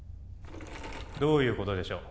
どういうことでしょう？